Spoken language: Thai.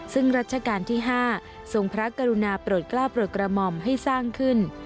ซึ่งรัชกาลที่๕ทรงพระกรุณาโปรดกล้าวโปรดกระหม่อมให้สร้างขึ้น